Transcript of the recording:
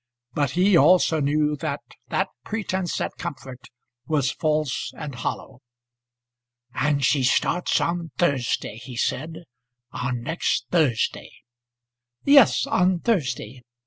But he also knew that that pretence at comfort was false and hollow. "And she starts on Thursday," he said; "on next Thursday." "Yes, on Thursday.